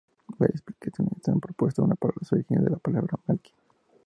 Varias explicaciones se han propuesto para los orígenes de la palabra Malkin.